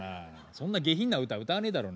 そんな下品な歌歌わねえだろう。